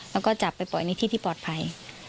แล้วก็จับไปปล่อยในที่ที่ปลอดภัย